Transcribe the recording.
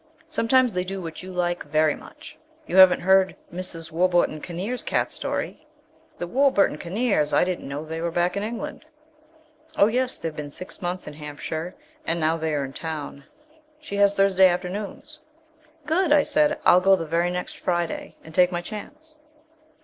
"Sometimes they do what you like very much. You haven't heard Mrs. Warburton Kinneir's cat story?" "The Warburton Kinneirs! I didn't know they were back in England." "Oh yes. They've been six months in Hampshire, and now they are in town. She has Thursday afternoons." "Good," I said, "I'll go the very next Friday, and take my chance...."